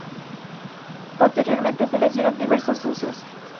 Posteriormente se les dieron diversos usos.